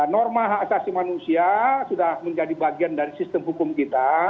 norma hak asasi manusia sudah menjadi bagian dari sistem hukum kita